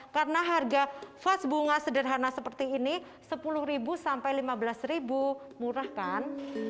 karena harga vas bunga sederhana seperti ini rp sepuluh rp lima belas murah kan